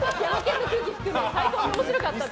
最高に面白かったです。